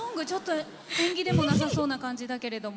縁起でもなさそうな感じだけれども。